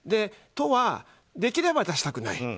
都は、できれば出したくない。